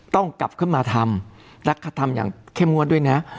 ต้องกลับขึ้นมาทำและทำอย่างเข้มงวดด้วยนะ